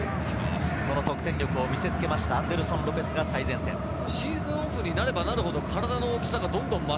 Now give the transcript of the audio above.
得点力を見せつけました、アンデルソン・ロペスが最前線です。